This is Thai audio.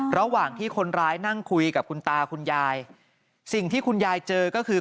ระหว่างที่คนร้ายนั่งคุยกับคุณตาคุณยายสิ่งที่คุณยายเจอก็คือ